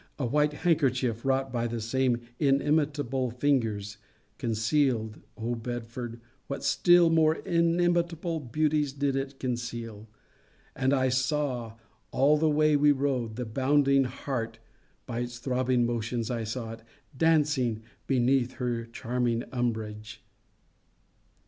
A white handkerchief wrought by the same inimitable fingers concealed O Belford! what still more inimitable beauties did it not conceal! And I saw, all the way we rode, the bounding heart (by its throbbing motions I saw it!) dancing beneath her charming umbrage.